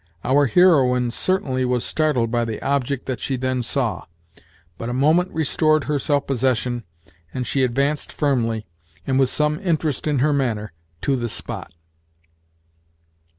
Our heroine certainly was startled by the object that she then saw, but a moment restored her self possession, and she advanced firmly, and with some interest in her manner, to the spot.